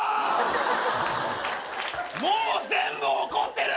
もう全部怒ってる！！